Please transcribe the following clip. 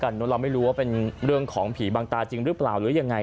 มันมีอะไรมีอะไรบังตาอะไรน่าเห็นมั้ย